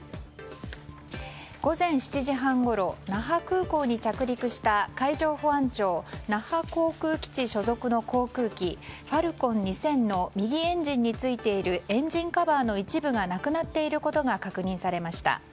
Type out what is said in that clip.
午前７時半ごろ那覇空港に着陸した、海上保安庁那覇空港基地所属の航空機ファルコン２０００の右エンジンについているエンジンカバーの一部がなくなっていることが確認されました。